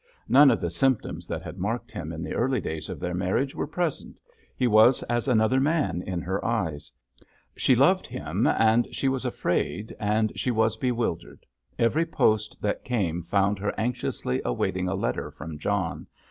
None of the symptoms that had marked him in the early days of their marriage were present—he was as another man in her eyes. She loved him—she was afraid, and she was bewildered. Every post that came found her anxiously awaiting a letter from John.